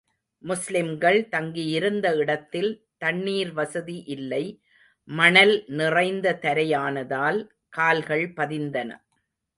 முஸ்லிம்கள் தங்கியிருந்த இடத்தில், தண்ணீர் வசதி இல்லை மணல் நிறைந்த தரையானதால், கால்கள் பதிந்தன.